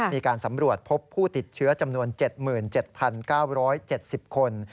มีการสำรวจพบผู้ติดเชื้อจำนวน๗๗๙๗๐คน